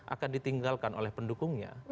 akan ditinggalkan oleh pendukungnya